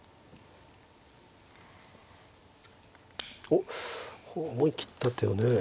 おっ思い切った手をね。